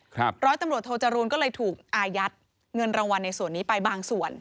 ร้อยตำรวจโทจรูลก็เลยถูกอายัดเงินรางวัลในส่วนนี้ไปบางส่วน